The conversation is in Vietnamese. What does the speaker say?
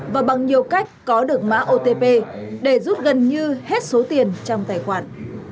và bằng nhiều cách có được mã otp để rút gần như hết số tiền trong tài khoản